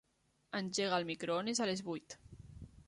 Engega el microones a les vuit.